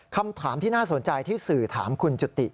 คำถามที่น่าสนใจที่สื่อถามคุณจุติ